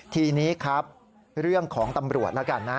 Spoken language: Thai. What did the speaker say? ทีนี้ครับเรื่องของตำรวจแล้วกันนะ